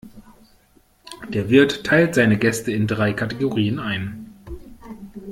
Der Wirt teilt seine Gäste in drei Kategorien ein.